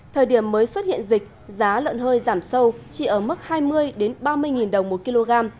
thời điểm mới xuất hiện dịch giá lợn hơi giảm sâu chỉ ở mức hai mươi ba mươi đồng một kg